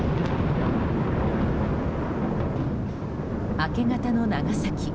明け方の長崎。